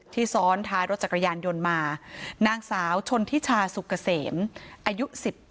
ซ้อนท้ายรถจักรยานยนต์มานางสาวชนทิชาสุกเกษมอายุ๑๗